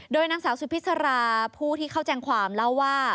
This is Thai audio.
โดยนางสาวสุพิษราผู้ที่เข้าแจ้งความเล่าว่า